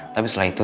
tapi selain itu